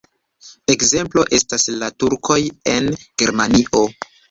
Ekzemplo estas la Turkoj en Germanio.